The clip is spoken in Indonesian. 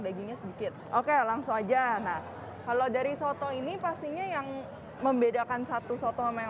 dagingnya sedikit oke langsung aja nah kalau dari soto ini pastinya yang membedakan satu soto sama yang